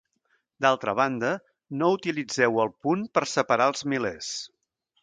D'altra banda, no utilitzeu el punt per separar els milers.